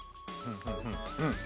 うんうん。